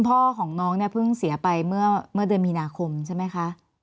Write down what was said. คุณพ่อของน้องพึ่งเสียไปเมื่อเดือนมีนาคมใช่ไหมคะ